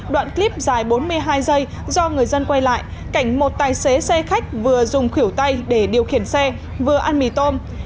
đoạn clip dài bốn mươi hai giây do người dân quay lại cảnh một tài xế xe khách vừa dùng khỉu tay để điều khiển xe vừa ăn mì tôm